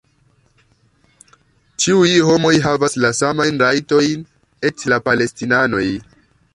Ĉiuj homoj havas la samajn rajtojn... eĉ la palestinanoj!